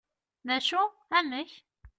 d acu amek?